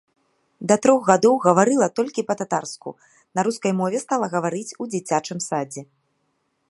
Да трох гадоў гаварыла толькі па-татарску, на рускай мове стала гаварыць у дзіцячым садзе.